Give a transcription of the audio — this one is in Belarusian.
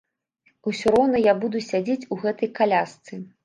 Усё роўна я буду сядзець у гэтай калясцы.